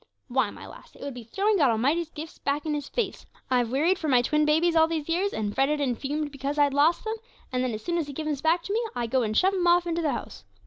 Why, my lass, it would be throwing God Almighty's gifts back in His face. I've wearied for my twin babies all these years, and fretted and fumed because I'd lost them, and then as soon as He gives 'em back to me, I go and shove them off into the House!